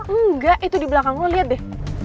enggak itu di belakang lo liat deh